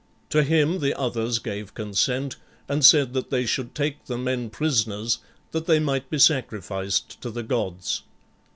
To him the others gave consent and said that they should take the men prisoners that they might be sacrificed to the gods.